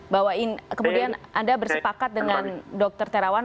bahwa kemudian anda bersepakat dengan dokter terawan